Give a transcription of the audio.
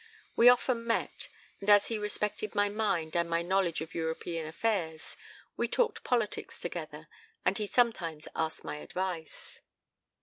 We often met, and as he respected my mind and my knowledge of European affairs, we talked politics together, and he sometimes asked my advice.